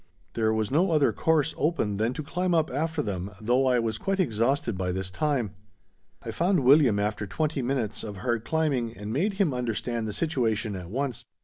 There was no other course open than to climb up after them, though I was quite exhausted by this time. I found William after twenty minutes of hard climbing and made him understand the situation at once.